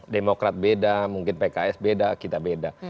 demokrat beda mungkin pks beda kita beda